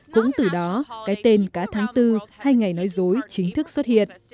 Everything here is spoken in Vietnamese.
cũng từ đó cái tên cá tháng bốn hay ngày nói dối chính thức xuất hiện